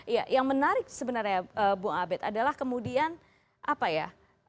iya yang menarik sebenarnya bung abed adalah kemudian apa ya